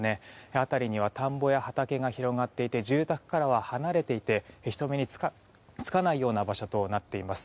辺りには田んぼや畑が広がっていて住宅からは離れていて人目につかない場所となっています。